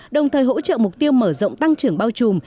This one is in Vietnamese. đồng thời hỗ trợ mục tiêu mở rộng tăng trưởng bao trùm